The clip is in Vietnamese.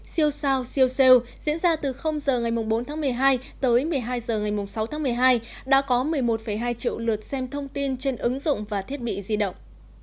siêu sao siêu sale diễn ra từ h ngày bốn tháng một mươi hai tới một mươi hai h ngày sáu tháng một mươi hai đã có một mươi một hai triệu lượt xem thông tin trên ứng dụng và thiết bị di động